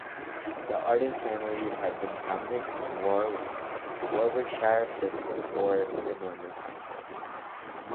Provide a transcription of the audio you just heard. The Arden family had been prominent in Warwickshire since before the Norman Conquest.